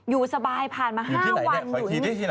อยู่สบายผ่านมา๕วันอยู่ที่นี่